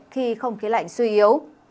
khi không khí lạnh suy yếu